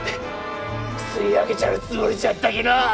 金吸い上げちゃるつもりじゃったきのう！